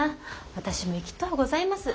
私も行きとうございます。